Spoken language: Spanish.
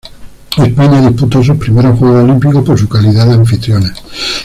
España disputó sus primeros Juegos Olímpicos por su calidad de anfitriona.